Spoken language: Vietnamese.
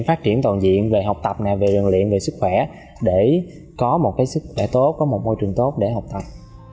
phát triển toàn diện về học tập về luyện về sức khỏe để có một môi trường tốt để học tập